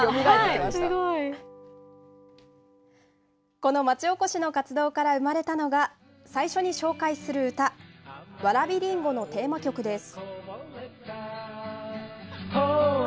この町おこしの活動から生まれたのが、最初に紹介する歌、わらびりんごのテーマ曲です。